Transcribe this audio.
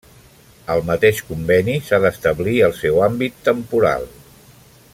Al mateix conveni s'ha d'establir el seu àmbit temporal.